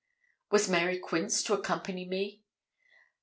Was Mary Quince to accompany me?